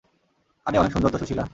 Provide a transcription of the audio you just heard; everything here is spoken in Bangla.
আরে অনেক সুন্দর তো, সুশীলা।